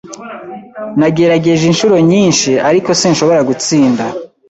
Nagerageje inshuro nyinshi, ariko sinshobora gutsinda.